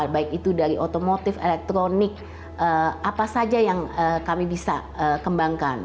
baik itu dari otomotif elektronik apa saja yang kami bisa kembangkan